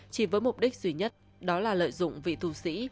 chỉ với mục đích duy nhất đó là lợi dụng vị thù sĩ